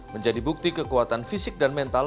menjadi bukti kekuatan fisik dan mental